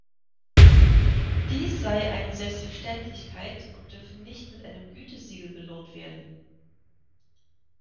Dies sei eine Selbstverständlichkeit und dürfe nicht mit einem Gütesiegel belohnt werden.